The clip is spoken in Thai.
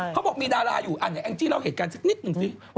เขาบอกมีดาราอยู่อันไหนแองจี้เล่าเหตุการณ์สักนิดหนึ่งสิ